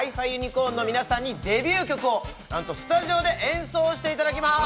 ｃｏｒｎの皆さんにデビュー曲を何とスタジオで演奏していただきます